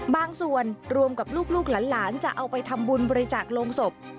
บางส่วนรวมกับลูกหลานจะเอาไปทำบุญบริจาคโรงศพ